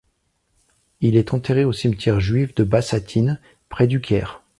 Il est enterré au cimetière juif de Bassatine, près du Caire.